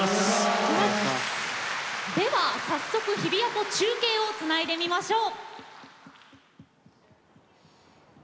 では早速日比谷から中継をつないでみましょう。